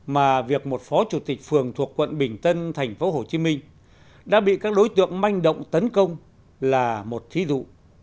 mà việc một phó chủ tịch phường thuộc quận bình tân tp hcm đã bị các đối tượng manh động tấn công là một thí dụ